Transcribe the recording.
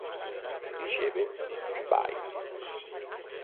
Il riceve un "bye".